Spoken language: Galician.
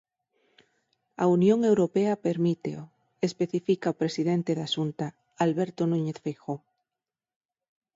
A Unión Europea permíteo, especifica o presidente da Xunta, Alberto Núñez Feijóo.